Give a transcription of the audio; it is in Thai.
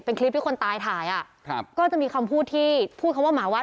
เป็นคลิปที่คนตายถ่ายอ่ะครับก็จะมีคำพูดที่พูดคำว่าหมาวัด